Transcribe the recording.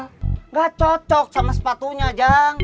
gak cocok sama sepatunya ajeng